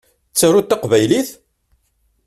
Tettaruḍ taqbaylit?